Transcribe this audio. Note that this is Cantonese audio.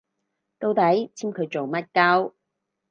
到底簽佢做乜 𨳊